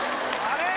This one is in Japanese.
あれ？